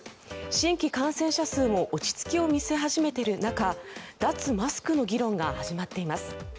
新規感染者数も落ち着きを見せ始めている中脱マスクの議論が始まっています。